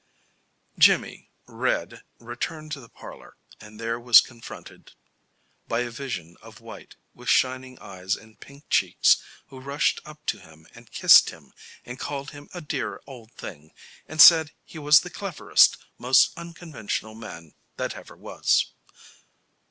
Jimmy, red, returned to the parlor, and there was confronted by a vision of white, with shining eyes and pink cheeks, who rushed up to him and kissed him and called him a dear old thing and said he was the cleverest, most unconventional man that ever was.